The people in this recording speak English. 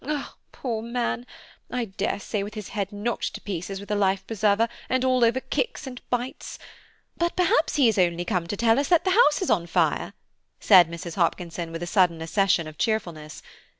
"Ah, poor man! I daresay, with his head knocked to pieces with a life preserver, and all over kicks and bites. But, perhaps, he is only come to tell us that the house is on fire," said Mrs. Hopkinson, with a sudden accession of cheerfulness.